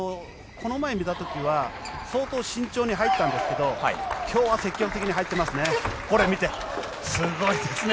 この前見た時は相当慎重に入ったんですが今日は積極的に入っていますね。